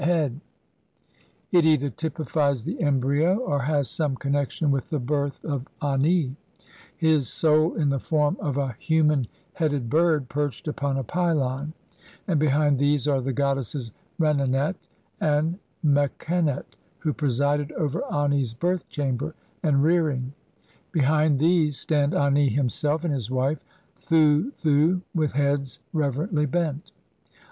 CIII head", it either typifies the embryo, or has some connexion with the birth of Ani ; his soul in the form of a human headed bird perched upon a pylon ; and behind these are the goddesses Renenet and Mes khenet who presided over Ani's birth chamber and rearing. Behind these stand Ani himself and his wife Thuthu with heads reverently bent.